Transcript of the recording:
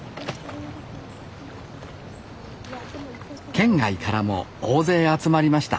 県外からも大勢集まりました